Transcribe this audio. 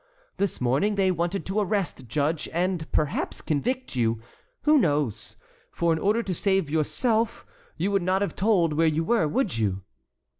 This morning they wanted to arrest, judge, and perhaps convict you. Who knows? For in order to save yourself you would not have told where you were, would you?"